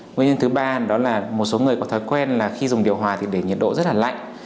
nguyên nhân thứ ba đó là một số người có thói quen là khi dùng điều hòa thì để nhiệt độ rất là lạnh